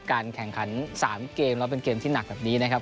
การแข่งขัน๓เกมแล้วเป็นเกมที่หนักแบบนี้นะครับ